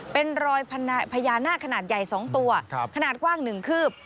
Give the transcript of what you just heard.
เป็นรอยพญานาคขนาดใหญ่๒ตัวขนาดกว้าง๑คืบ